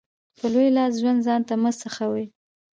په لوی لاس ژوند ځانته مه سخوئ.